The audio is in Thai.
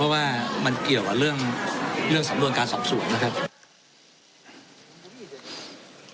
เพราะว่ามันเกี่ยวกับเรื่องสำนวนการสอบสวนนะครับ